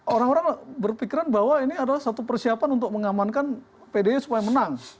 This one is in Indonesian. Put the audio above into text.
orang orang berpikiran bahwa ini adalah satu persiapan untuk mengamankan pdi supaya menang